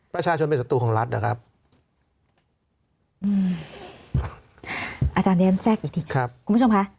ประชาชนเป็นศัตรูของรัฐเหรอครับอาจารย์แดมแจ้งอีกทีครับคุณผู้ชมค่ะ